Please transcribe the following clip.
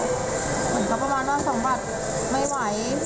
เหมือนเขาประมาณว่าสมบัติไม่ไหว